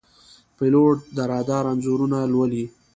پیلوټ د رادار انځورونه لولي.